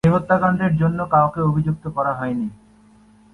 এই হত্যাকাণ্ডের জন্য কাউকেই অভিযুক্ত করা হয়নি।